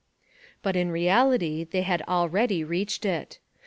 But in reality they had already reached it.